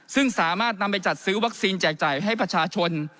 ซึ่งสามารถนำไปจัดซื้อวัคซีนแจกจ่ายให้ประชาชน